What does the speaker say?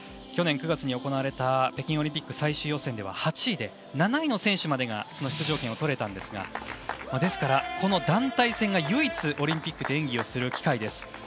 去年９月に行われた北京オリンピック最終予選は８位で７位の選手までが出場権が取れましたがこの団体戦が唯一オリンピックで演技をする機会です。